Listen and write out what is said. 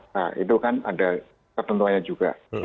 nah itu kan ada ketentuannya juga